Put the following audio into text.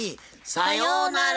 さようなら！